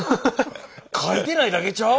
描いてないだけちゃう？